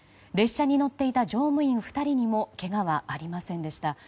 列車に乗っていた乗務員２人にもけがはありませんでした。